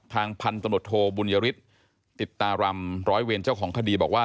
ทางพันธนโตโทบุญริตติดตารำร้อยเวรเจ้าของคดีบอกว่า